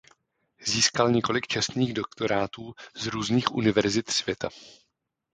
Získal několik čestných doktorátů z různých univerzit světa.